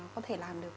có thể làm được